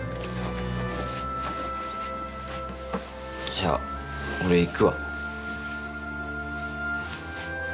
じゃあ俺行くわ